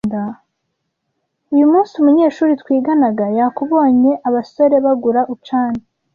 Uyu munsi, umunyeshuri twiganaga yakubonye abasore bagura Auchan.